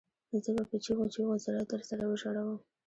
زه به په چیغو چیغو زړه درسره وژړوم